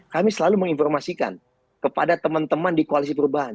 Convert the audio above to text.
kami selalu menginformasikan kepada teman teman di koalisi perubahan